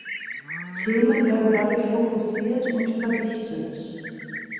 Themen werden dadurch fokussiert und verdichtet.